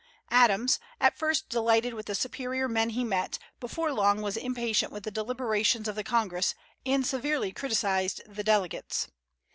Adams, at first delighted with the superior men he met, before long was impatient with the deliberations of the Congress, and severely criticised the delegates.